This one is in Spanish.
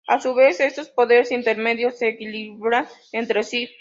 A su vez, esos poderes intermedios se equilibran entre sí.